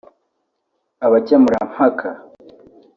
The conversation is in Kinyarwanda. Abakemurampaka